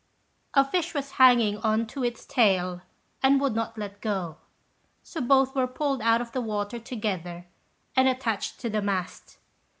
A fish was hanging on to its tail, and would not let go; so both were pulled out of the water together, and attached to the mast.